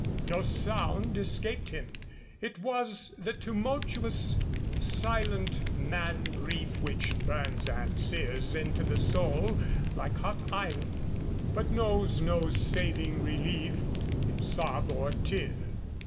No sound escaped him. It was the tumultuous, silent man grief which burns and sears into the soul like hot iron, but knows no saving relief in sob or tear.